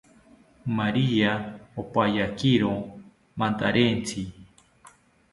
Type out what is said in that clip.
Maria opankayiro mantarentzi